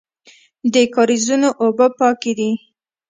د کاریزونو اوبه پاکې دي